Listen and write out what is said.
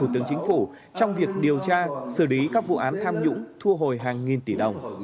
trong việc điều tra xử lý các vụ án tham nhũng thua hồi hàng nghìn tỷ đồng